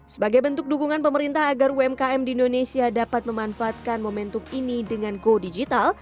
sebagai bentuk dukungan pemerintah agar umkm di indonesia dapat memanfaatkan momentum ini dengan go digital